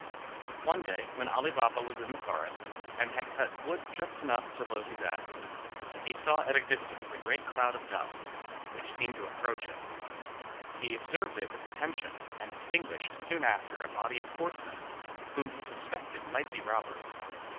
One day, when Ali Baba was in the forest, and had just cut wood enough to load his asses, he saw at a distance a great cloud of dust, which seemed to approach him. He observed it with attention, and distinguished soon after a body of horsemen, whom he suspected might be robbers.